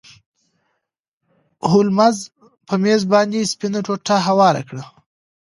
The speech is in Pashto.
هولمز په میز باندې سپینه ټوټه هواره کړه.